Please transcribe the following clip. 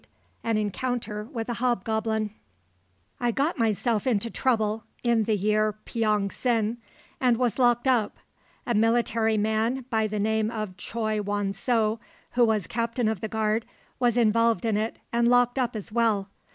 XXVIII AN ENCOUNTER WITH A HOBGOBLIN I got myself into trouble in the year Pyong sin, and was locked up; a military man by the name of Choi Won so, who was captain of the guard, was involved in it and locked up as well.